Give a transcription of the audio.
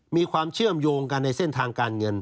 มีความเชื่อมโยงกันในเส้นทางการเงิน